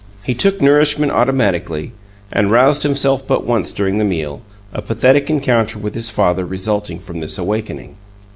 He took nourishment automatically, and roused himself but once during the meal, a pathetic encounter with his father resulting from this awakening.